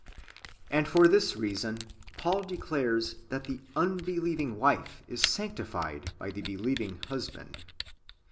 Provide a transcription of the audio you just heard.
And for this reason, Paul declares that the "unbelieving wife is sanctified by the believing husband."